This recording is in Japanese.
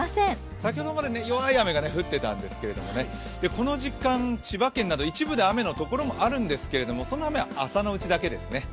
先ほどまで弱い雨が降っていたんですけどこの時間、千葉県など一部で雨の所もあるんですがその雨は朝のうちだけですね。